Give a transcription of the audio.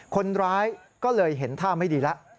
คนร้ายก็เลยเห็นท่าไม่ดีแล้ว